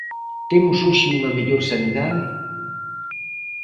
¿Temos hoxe unha mellor sanidade?